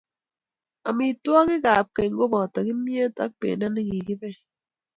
Amitwogiikab keny koboto kimnyet ako bendo ne kakibel.